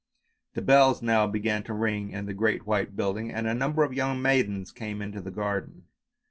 The bells now began to ring in the great white building and a number of young maidens came into the garden.